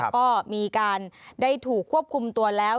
ก็มีการได้ถูกควบคุมตัวแล้ว